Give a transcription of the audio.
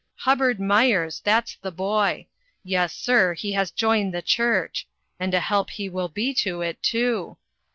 Hubbard Myers, that's the boy. Yes, sir, he has joined the church ; and a help he will be to it, too.